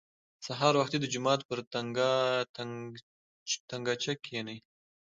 سهار وختي د جومات پر تنګاچه کښېني.